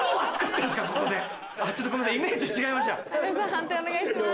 判定お願いします。